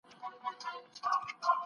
د خپلي لور شکايت جدي ونيسه.